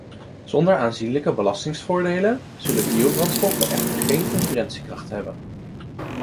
Zonder aanzienlijke belastingvoordelen zullen biobrandstoffen echter geen concurrentiekracht hebben.